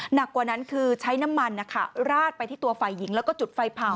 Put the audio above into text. หนักกว่านั้นคือใช้น้ำมันนะคะราดไปที่ตัวฝ่ายหญิงแล้วก็จุดไฟเผา